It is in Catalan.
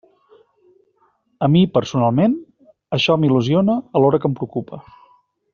A mi, personalment, això m'il·lusiona alhora que em preocupa.